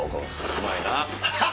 うまいな。